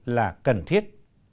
là cần thiết